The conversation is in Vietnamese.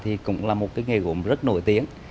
thì cũng là một cái nghề gốm rất nổi tiếng